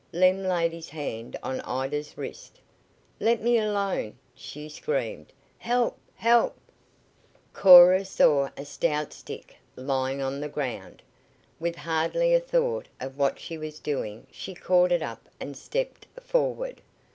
Lem laid his hand on Ida's wrist. "Let me alone!" she screamed. "Help! help!" Cora saw a stout stick lying on the ground. With hardly a thought of what she was doing she caught it up and stepped forward.